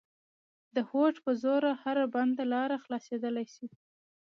د هوډ په زور هره بنده لاره خلاصېدلای سي.